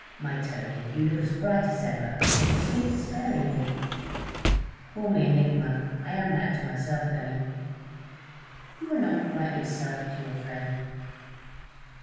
'My Tony, you look as bright as ever, and you speak despairingly.' 'Call me enigma. I am that to myself, Emmy.' 'You are not quite yourself to your friend.'